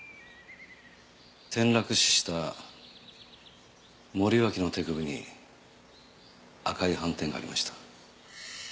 転落死した森脇の手首に赤い斑点がありました。